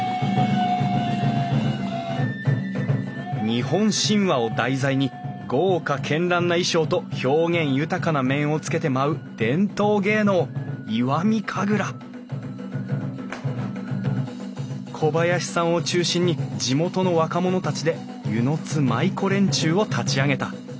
日本神話を題材に豪華絢爛な衣装と表現豊かな面をつけて舞う伝統芸能石見神楽小林さんを中心に地元の若者たちで温泉津舞子連中を立ち上げた。